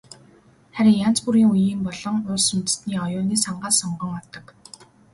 Харин янз бүрийн үеийн болон улс үндэстний оюуны сангаас сонгон авдаг.